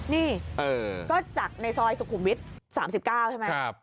นี่ก็จากในซอยสุขุมวิทย์๓๙ใช่ไหม